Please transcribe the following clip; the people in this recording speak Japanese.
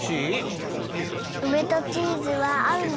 うめとチーズはあうの？